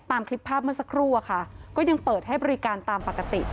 ตามคลิปภาพเมื่อสักครู่อะค่ะก็ยังเปิดให้บริการตามปกติ